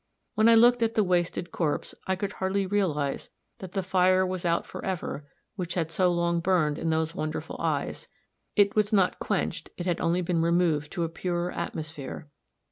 When I looked at the wasted corpse, I could hardly realize that the fire was out for ever which had so long burned in those wonderful eyes it was not quenched, it had only been removed to a purer atmosphere.